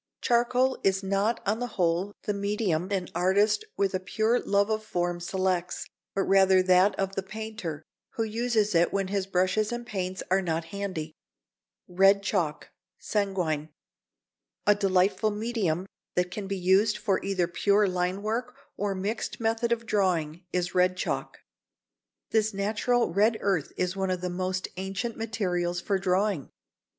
Charcoal is not on the whole the medium an artist with a pure love of form selects, but rather that of the painter, who uses it when his brushes and paints are not handy. [Sidenote: Red Chalk (Sanguine).] A delightful medium that can be used for either pure line work or a mixed method of drawing, is red chalk. This natural red earth is one of the most ancient materials for drawing.